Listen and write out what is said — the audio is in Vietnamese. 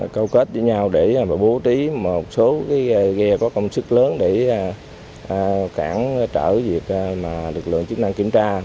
câu kết với nhau để bố trí một số ghe có công sức lớn để cảng trở việc lực lượng chức năng kiểm tra